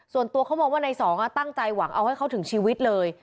ส่วนตัวเขามองว่าในสองตั้งใจหวังเอาให้เขาถึงชีวิตเลย